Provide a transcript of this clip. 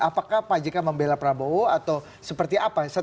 apakah pajaknya membela prabowo atau seperti apa